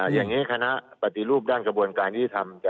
อย่างนี้คณะปฏิรูปด้านกระบวนการยุทธิธรรม